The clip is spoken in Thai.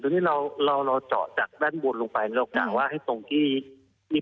ทีนี้เราเราเจาะจากด้านบนลงไปเรากะว่าให้ตรงที่มี